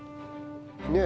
ねえ。